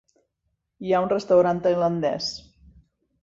Hi ha un restaurant tailandès.